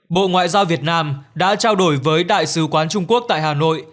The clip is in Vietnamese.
bộ ngoại giao việt nam đã trao đổi với đại sứ quán trung quốc tại hà nội